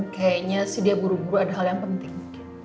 kayaknya sih dia buru buru ada hal yang penting